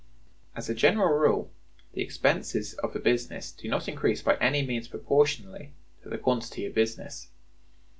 As a general rule, the expenses of a business do not increase by any means proportionally to the quantity of business.